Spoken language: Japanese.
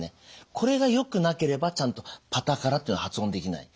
これがよくなければちゃんと「パタカラ」っていうの発音できない。